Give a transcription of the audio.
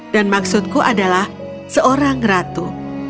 dan maksudku adalah seorang ratu